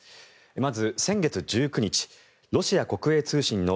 まず先月１９日ロシア国営通信のＲＩＡ